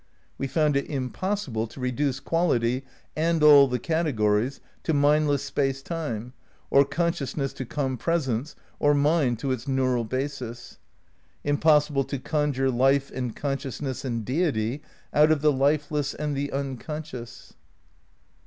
We found it impos ■ sible to reduce quality and aU the categories to mind less Space Time, or consciousness to compresence, or mind to its neural basis; impossible to conjure life and consciousness and Deity out of the lifeless and the unconscious.